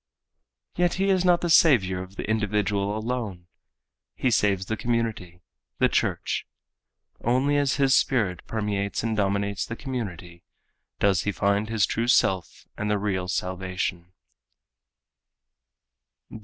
Yet He is not the saviour of the individual alone. He saves the community, the church. Only as His spirit permeates and dominates the community does he find his true self and the real salvation.